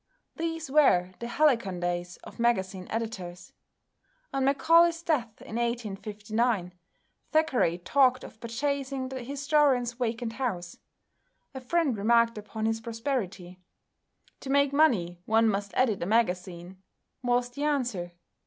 These were the halcyon days of magazine editors. On Macaulay's death in 1859, Thackeray talked of purchasing the historian's vacant house. A friend remarked upon his prosperity. "To make money one must edit a magazine," was the answer.